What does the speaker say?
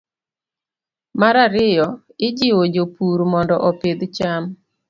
Mar ariyo, ijiwo jopur mondo opidh cham